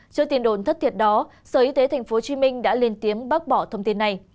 trước tiên đồn thất thiệt đó sở y tế tp hcm đã lên tiếm bác bỏ thông tin này